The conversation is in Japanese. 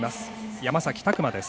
山崎琢磨です。